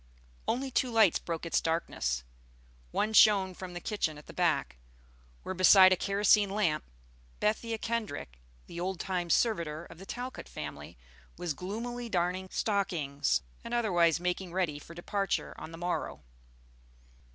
Only two lights broke its darkness: one shone from the kitchen at the back, where, beside a kerosene lamp, Bethia Kendrick, the old time servitor of the Talcott family, was gloomily darning stockings, and otherwise making ready for departure on the morrow.